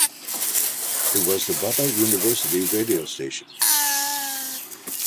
It was the Butler University radio station.